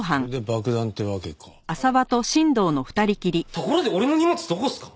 ところで俺の荷物どこっすか？